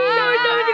kalo kita di padat